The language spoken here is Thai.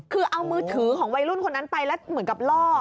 คือเอามือถือของวัยรุ่นคนนั้นไปแล้วเหมือนกับล่อ